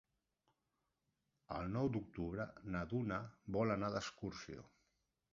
El nou d'octubre na Duna vol anar d'excursió.